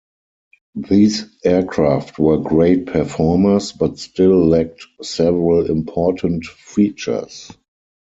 These aircraft were great performers, but still lacked several important features.